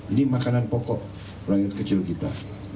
ini makanan pokok rakyat kecil kita